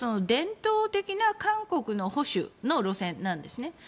伝統的な韓国の保守の路線なんですね。